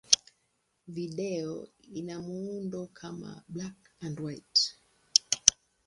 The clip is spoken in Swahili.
Video ina muundo wa kama black-and-white.